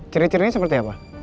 ceritanya seperti apa